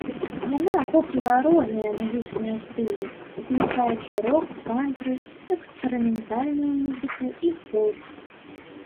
Яна ахоплівае розныя музычныя стылі, уключаючы рок, кантры, эксперыментальную музыку і фолк.